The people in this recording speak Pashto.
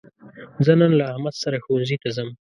زه نن له احمد سره ښوونځي ته ځم.